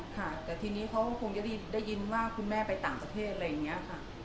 ค่ะแต่ทีนี้เขาก็คงจะได้ยินว่าคุณแม่ไปต่างประเทศอะไรอย่างนี้ค่ะ